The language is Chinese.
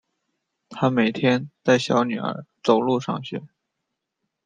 她每天带小女儿走路上学